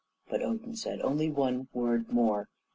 But Odin said, "Only one word more.